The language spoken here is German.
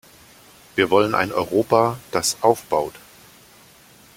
Wir wollen ein Europa, das aufbaut.